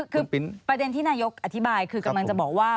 คือประเด็นที่นายกอธิบายคือกำลังจะบอกว่า